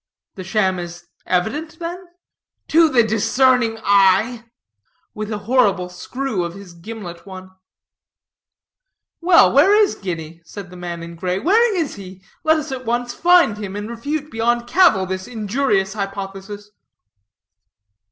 "The sham is evident, then?" "To the discerning eye," with a horrible screw of his gimlet one. "Well, where is Guinea?" said the man in gray; "where is he? Let us at once find him, and refute beyond cavil this injurious hypothesis."